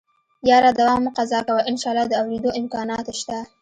يره دوا مه قضا کوه انشاالله د اورېدو امکانات شته.